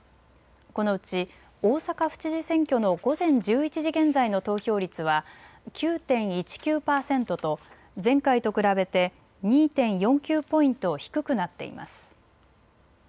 このうち大阪府知事選挙の午前１１時現在の投票率は９．１９％と前回と比べて２．４９ポイント低くなっています。